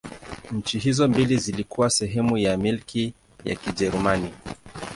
Nchi hizo mbili zilikuwa sehemu ya Milki ya Kijerumani.